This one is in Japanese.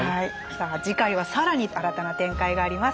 さあ次回は更に新たな展開があります。